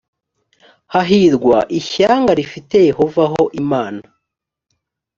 hahirwa ishyanga rifite yehova ho imana